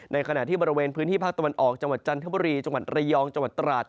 ขณะที่บริเวณพื้นที่ภาคตะวันออกจังหวัดจันทบุรีจังหวัดระยองจังหวัดตราด